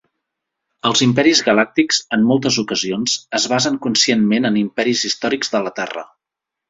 Els imperis galàctics, en moltes ocasions, es basen conscientment en imperis històrics de la Terra.